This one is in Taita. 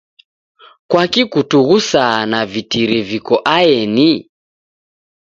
Kwaki kutughusaa na vitiri viko aeni?